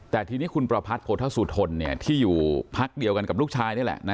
แต่ทีนี้คุณประพัทธสุทนที่อยู่พักเดียวกันกับลูกชายนี่แหละ